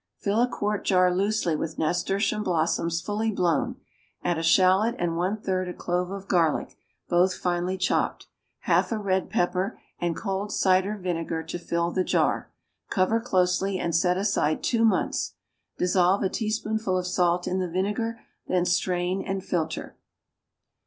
= Fill a quart jar loosely with nasturtium blossoms fully blown; add a shallot and one third a clove of garlic, both finely chopped, half a red pepper, and cold cider vinegar to fill the jar; cover closely and set aside two months. Dissolve a teaspoonful of salt in the vinegar, then strain and filter.